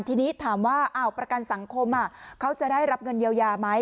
ทีนี้ถามว่าประกันสังคมเขาจะได้รับเงินเยียวยาไหม